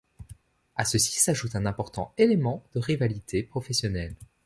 À ceci s'ajoute un important élément de rivalité professionnelle.